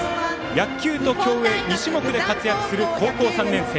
野球と競泳２種目で活躍する高校３年生。